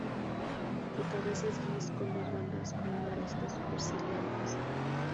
Su cabeza es gris con dos bandas con una lista superciliar rojiza.